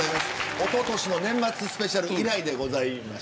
おととしの年末スペシャル以来でございます。